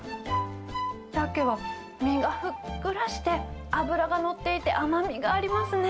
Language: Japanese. サケは身がふっくらして、脂が乗っていて、甘みがありますね。